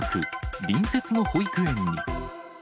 隣接の保育園に。